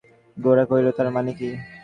গোরা কহিল, তার মানে কী?